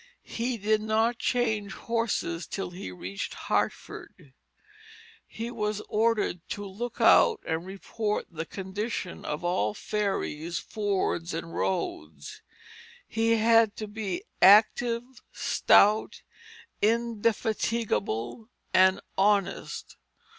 He did not change horses till he reached Hartford. He was ordered to look out and report the condition of all ferries, fords, and roads. He had to be "active, stout, indefatigable, and honest."